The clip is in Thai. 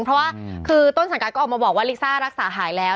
เพราะว่าคือต้นสังกัดก็ออกมาบอกว่าลิซ่ารักษาหายแล้ว